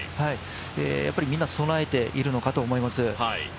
やっぱりみんな備えているのかと思います。